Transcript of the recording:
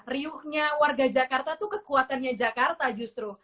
riuhnya warga jakarta itu kekuatannya jakarta justru